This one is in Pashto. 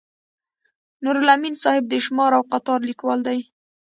نورالامین صاحب د شمار او قطار لیکوال دی.